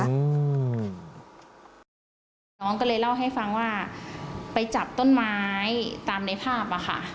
น้องก็เลยเล่าให้ฟังว่าไปจับต้นไม้ตามในภาพอ่ะค่ะ